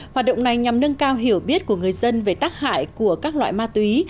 hoạt động này nhằm nâng cao hiểu biết của người dân về tác hại của các loại ma túy